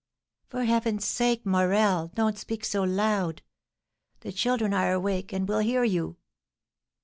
"For heaven's sake, Morel, don't speak so loud; the children are awake, and will hear you."